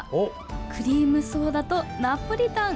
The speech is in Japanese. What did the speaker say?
クリームソーダとナポリタン。